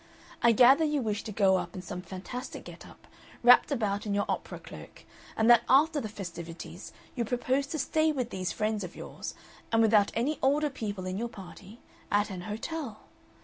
I gather you wish to go up in some fantastic get up, wrapped about in your opera cloak, and that after the festivities you propose to stay with these friends of yours, and without any older people in your party, at an hotel.